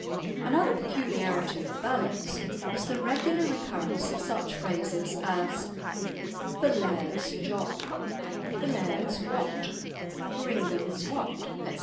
Another peculiarity of the ballads is the regular recurrence of such phrases as "the Laird's Jock," "the Laird's Wat," "Ringan's Wat," etc.